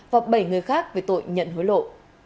và bảy người khác về tội nhận hối lộ